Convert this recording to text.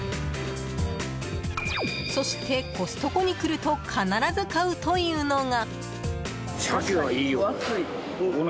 そして、コストコに来ると必ず買うというのが。